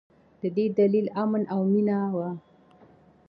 د دې دلیل امن او مینه وه.